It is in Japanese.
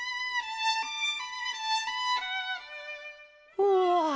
うわ！